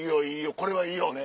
これはいいよね。